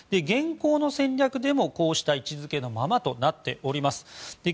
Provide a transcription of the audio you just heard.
現行の戦略でもこうした位置付けのままとなっています。